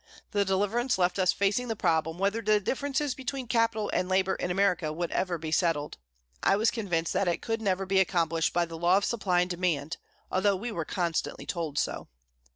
The deliverance left us facing the problem whether the differences between capital and labour in America would ever be settled. I was convinced that it could never be accomplished by the law of supply and demand, although we were constantly told so.